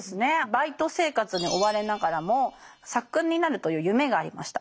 バイト生活に追われながらも作家になるという夢がありました。